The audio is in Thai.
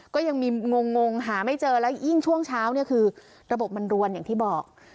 ก็ยังมีงงหาไม่เจอแล้วยิ่งช่วงเช้าเนี่ยคือระบบมันรวนอย่างที่บอก